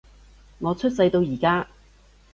我出世到而家